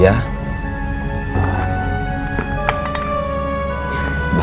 atau begini saja